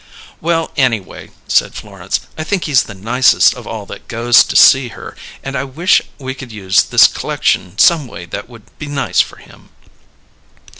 "Well, anyway," said Florence, "I think he's the nicest of all that goes to see her, and I wish we could use this c'lection some way that would be nice for him."